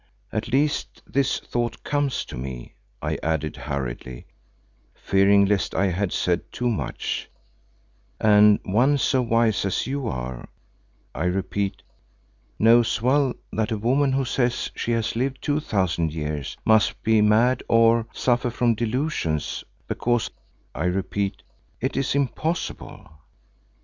At least this thought comes to me," I added hurriedly, fearing lest I had said too much, "and one so wise as you are, I repeat, knows well that a woman who says she has lived two thousand years must be mad or—suffer from delusions, because I repeat, it is impossible."